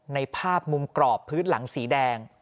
ในภาพมุมกรอบพื้นหลังสีแดง